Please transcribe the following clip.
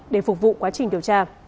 để phục vụ quá trình điều tra